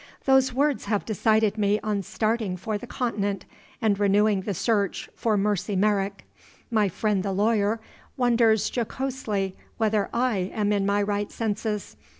"Those words have decided me on starting for the Continent and renewing the search for Mercy Merrick. "My friend the lawyer wonders jocosely whether I am in my right senses.